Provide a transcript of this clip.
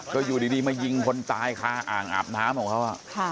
ก็อยู่ดีมายิงคนตายคาอ่างอาบน้ำของเขา